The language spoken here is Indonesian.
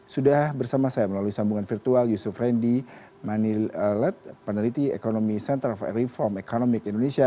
sudah bersama saya melalui sambungan virtual yusuf randy manilet peneliti ekonomi center of reform economic indonesia